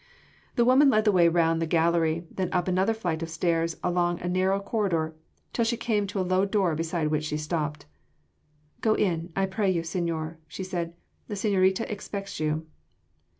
The woman led the way round the gallery, then up another flight of stairs and along a narrow corridor, till she came to a low door, beside which she stopped. "Go in, I pray you, señor," she said, "the señorita expects you."